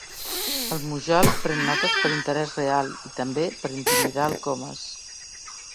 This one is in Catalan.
El Mujal pren notes per interès real i també per intimidar el Comas.